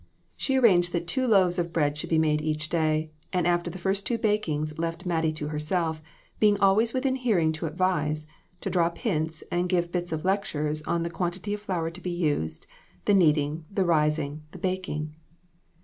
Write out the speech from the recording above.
She arranged that two LESSONS. 169 loaves of bread should be made each day, and, after the first two bakings, left Mattie to herself, being always within hearing to advise, to drop hints and give bits of lectures on the quantity of flour to be used, the kneading, the rising, the baking.